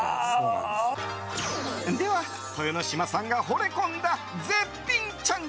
では豊ノ島さんがほれ込んだ絶品ちゃん